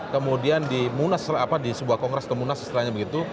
kemudian di sebuah kongres kemunas setelahnya begitu